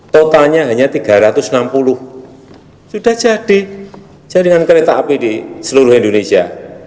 totalnya hanya tiga ratus enam puluh sudah jadi jaringan kereta api di seluruh indonesia